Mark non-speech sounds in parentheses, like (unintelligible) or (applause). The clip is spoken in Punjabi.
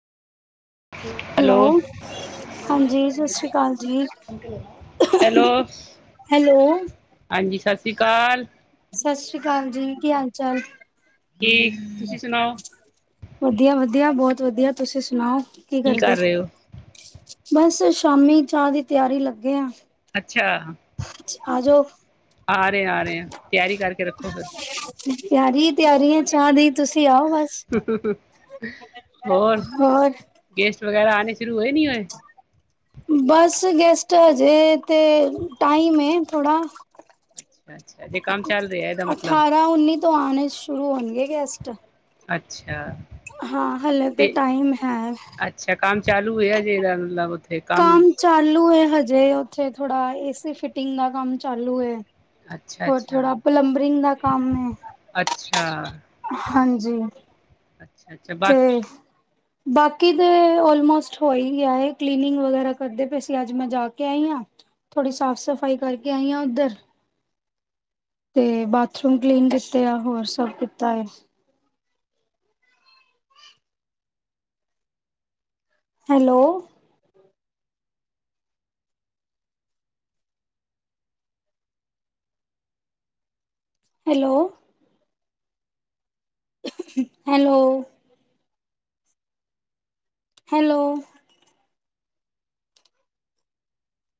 ਹੈਲੋ, ਹਾਂਜੀ, ਸਤਿ ਸ਼੍ਰੀ ਅਕਾਲ ਜੀ। ਹੈਲੋ (unintelligible) (unintelligible) ਹੈਲੋ ਹਾਂਜੀ, ਸਤਿ ਸ਼੍ਰੀ ਅਕਾਲ। ਸਤਿ ਸ੍ਰੀ ਅਕਾਲ ਜੀ। ਕੀ ਹਾਲ ਚਾਲ? ਕੀ, ਤੁਸੀਂ ਸੁਣਾਓ? ਵਧੀਆ ਵਧੀਆ, ਬਹੁਤ ਵਧੀਆ। ਤੁਸੀਂ ਸੁਣਾਓ ਕੀ ਕਰਦੇ। ਕਰ ਰਹੇ ਹੋ ਬਸ ਸ਼ਾਮੀ ਚਾਹ ਦੀ ਤਿਆਰੀ ਲੱਗੇ ਆਂ। ਅੱਛਾ। ਆ ਰਹੇ ਆਂ, ਆ ਰਹੇ ਆਂ। ਤਿਆਰੀ ਕਰਕੇ ਰੱਖੋ ਫਿਰ ਤਿਆਰੀ ਹੀ ਤਿਆਰੀ ਐ, ਚਾਹ ਦੀ ਤੁਸੀਂ ਆਓ ਬਸ। (unintelligible) ਹੋਰ ਗੈਸਟ ਵਗੈਰਾ ਆਣੇ ਸ਼ੁਰੂ ਹੋਏ, ਨਈਂ ਹੋਏ? ਬਸ ਗੈਸਟ ਹਜੇ ਤੇ, ਟਾਈਮ ਏ ਥੋੜਾ ਅੱਛਾ, ਅੱਛਾ। ਜੇ ਕੰਮ ਚੱਲ ਰਿਹਾ ਇਹਦਾ (unintelligible) ਮਤਲਬ ਅਠਾਰਾਂ-ਉੱਨੀ ਤੋਂ ਆਣੇ ਸ਼ੁਰੂ ਹੋਣਗੇ ਗੈਸਟ ਅੱਛਾ। ਹਾਂ ਹਲੇ ਤੇ ਟਾਈਮ ਹੈ। ਅੱਛਾ, ਕੰਮ ਚਾਲੂ ਏ ਅਜੇ ਇਦਾ, ਮਤਲਬ ਉੱਥੇ ਕੰਮ ਚਾਲੂ ਏ ਹਜੇ, ਉੱਥੇ ਥੋੜਾ ਏਸੀ ਫਿਟਿੰਗ ਦਾ ਕੰਮ ਚਾਲੂ ਐ। ਅੱਛਾ ਹੋਰ ਅੱਛਾ ਥੋੜਾ ਪਲੰਬਰਿੰਗ ਦਾ ਕੰਮ ਏ ਅੱਛਾ ਹਾਂਜੀ, (unintelligible) ਅੱਛਾ ਅੱਛਾ ਬਾਕੀ ਤੇ ਬਾਕੀ ਤੇ ਅੱਲ ਮੋਸਟ ਹੋ ਗਿਆ ਕਲੀਨਿੰਗ ਵਗੈਰਾ ਕਰਦੇ ਪਏ ਸੀ ਅੱਜ ਮੈਂ ਜਾ ਕੇ ਆਈ ਹਾ। ਥੋੜ੍ਹੀ ਸਾਫ਼ ਸਫਾਈ ਕਰਕੇ ਆਈ ਹਾਂ ਉੱਧਰ ਤੇ ਬਾਥਰੂਮ ਕਲੀਨ ਕੀਤੇ ਆ ਹੋਰ ਸਬ ਕੀਤਾ ਹੈ। Hello hello hello. ਹੈਲੋ